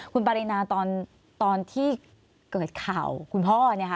คุณปารินาตอนที่เกิดข่าวคุณพ่อ